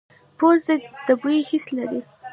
پوزه د بوی حس لري